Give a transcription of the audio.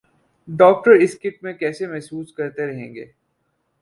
doctor اس kit میں کیسے محسوس کرتے رہیں گے